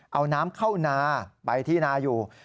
เอาน้ำเข้านาไปที่นาอยู่